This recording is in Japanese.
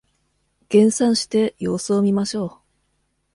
減産して様子を見ましょう